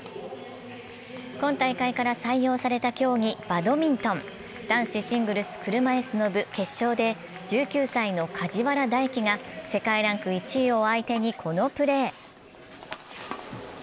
今大会から採用された競技、バドミントン男子シングルス車いすの部、決勝で１９歳の梶原大暉が世界ランク１位を相手に、このプレー。